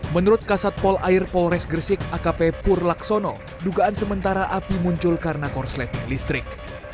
menurut kasat polair polres gresik akp purlaksono dugaan sementara api muncul karena korsleting listrik